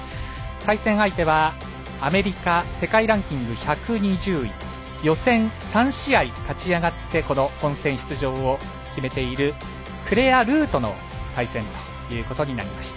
対戦相手はアメリカ世界ランキング１２０位予選３試合勝ち上がってこの本戦出場を決めているクレア・ルーとの対戦ということになりました。